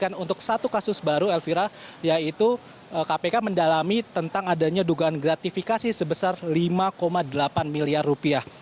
dan untuk satu kasus baru elvira yaitu kpk mendalami tentang adanya dugaan gratifikasi sebesar lima delapan miliar rupiah